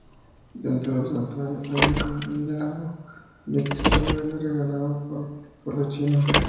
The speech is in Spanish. Dentro del santuario hay un candelabro de cristal verde regalado por el pueblo chino.